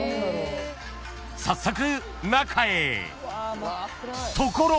［早速中へ］